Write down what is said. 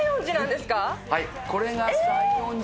はい。